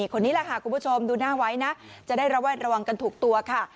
คนนี้แหละค่ะคุณผู้ชมดูหน้าไว้นะจะได้ระแวดระวังกันถูกตัวค่ะ